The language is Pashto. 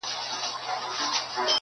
یو زلمی به په ویده قام کي پیدا سي!!